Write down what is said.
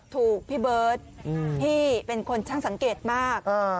พี่เบิร์ตที่เป็นคนช่างสังเกตมาก